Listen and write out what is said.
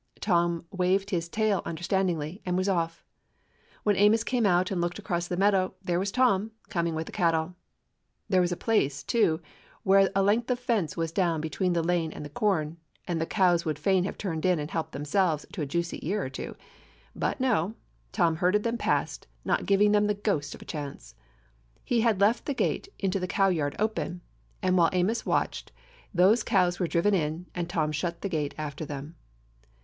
Tom waved his tail understanding^, and was off. When Amos came out and looked across the meadow, there was Tom, coming with the cattle. There was a place, too, where a length of fence was down between the lane and the corn, and the cows would fain have turned in and helped themselves to a juicy ear or two. But no: Tom herded them past, not giving them the ghost of a chance. He had left the gate into the cow yard open, and while Amos watched, those cows were driven in, and Tom shut the gate after them.